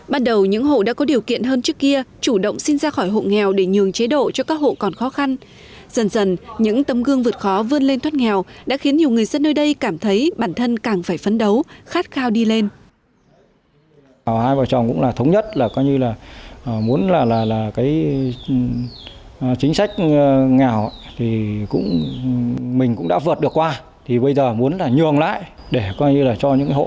bắt đầu những hộ đã có điều kiện hơn trước kia chủ động xin ra khỏi hộ nghèo để nhường chế độ cho các hộ còn khó khăn dần dần những tấm gương vượt khó vươn lên thoát nghèo đã khiến nhiều người dân nơi đây cảm thấy bản thân càng phải phấn đấu khát khao đi lên